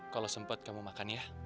kalau sempat kamu makan ya